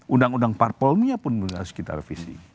undang undang parpolnya pun harus kita revisi